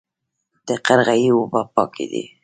د قرغې اوبه پاکې دي